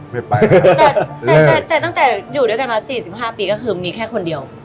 ไม่ไปแล้วแต่แต่แต่แต่ตั้งแต่อยู่ด้วยกันมาสี่สิบห้าปีก็คือมีแค่คนเดียว